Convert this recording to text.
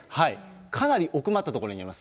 かなり奥まった所にあります。